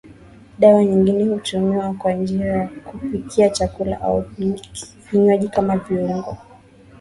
Dawa nyingine hutumiwa kwa njia ya kupikia chakula au vinywaji kama viungo